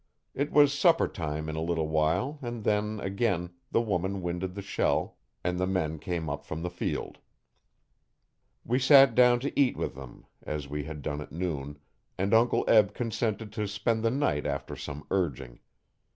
It was supper time in a little while and then, again, the woman winded the shell and the men came up from the field. We sat down to eat with them, as we had done at noon, and Uncle Eb consented to spend the night after some urging.